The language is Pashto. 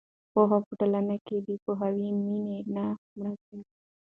پوهه په ټولنه کې د پوهې مینه نه مړه کوي.